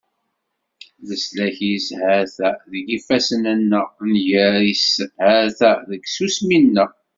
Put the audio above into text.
Leslak-is ha-t-a deg yifassen-nneɣ, nnger-is ha-t-a deg tsusmi-nneɣ.